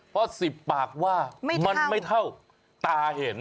เพราะ๑๐ปากว่ามันไม่เท่าตาเห็น